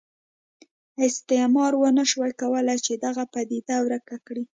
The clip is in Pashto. استعمار ونه شوای کولای چې دغه پدیده ورکه کړي.